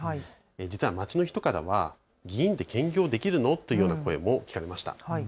実は街の人からは議員って兼業できるの？というような声も聞かれました。